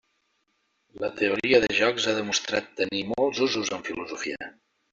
La teoria de jocs ha demostrat tenir molts usos en filosofia.